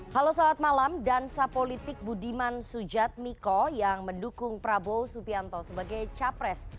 halo selamat malam dan sapolitik budiman sujad miko yang mendukung prabowo supianto sebagai capres